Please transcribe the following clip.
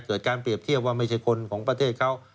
การเปรียบเทียบว่าไม่ใช่คนของประเทศเขา